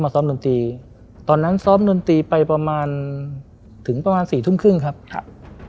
ซ้อมดนตรีตอนนั้นซ้อมดนตรีไปประมาณถึงประมาณสี่ทุ่มครึ่งครับครับ